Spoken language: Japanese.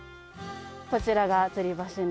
こちらがつり橋の。